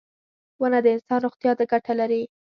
• ونه د انسان روغتیا ته ګټه لري.